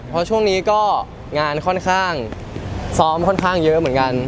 เพราะช่วงนี้ก็งานค่อนข้างซ้อมค่อนข้างเยอะเหมือนกัน